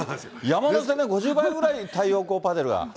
山手線の５０倍ぐらい太陽光パネルが。